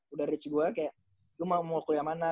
udah reach gue kayak lo mau kuliah mana